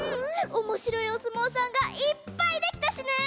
おもしろいおすもうさんがいっぱいできたしね！